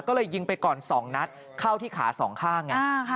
ก็เลยยิงไปก่อน๒นัดเข้าที่ขาสองข้างไง